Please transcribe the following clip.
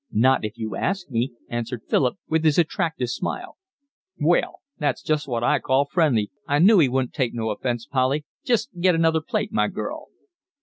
"Not if you ask me," answered Philip, with his attractive smile. "Well, that's what I call friendly, I knew 'e wouldn't take offence, Polly. Just get another plate, my girl."